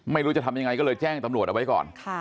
ไม่รู้จะทำยังไงก็เลยแจ้งตำรวจเอาไว้ก่อน